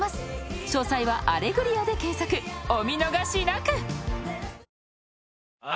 ［お見逃しなく］